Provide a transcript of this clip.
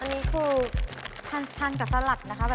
อันนี้คือทานกับสลัดนะคะ